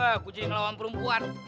aku jadi ngelawan perempuan